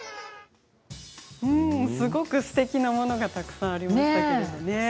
すごくすてきなものがたくさんありますね。